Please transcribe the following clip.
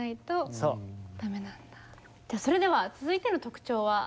それでは続いての特徴は？